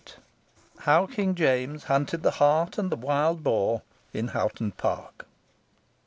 HOW KING JAMES HUNTED THE HART AND THE WILD BOAR IN HOGHTON PARK.